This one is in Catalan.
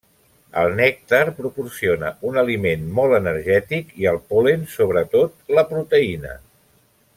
El nèctar proporciona un aliment molt energètic i el pol·len sobretot la proteïna.